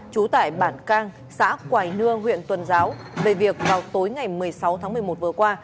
chú tải bản cang xã quài nương huyện tuần giáo về việc vào tối ngày một mươi sáu tháng một mươi một vừa qua